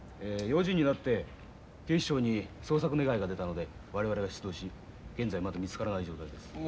４時になって警視庁に捜索願いが出たので我々が出動し現在まだ見つからない状態です。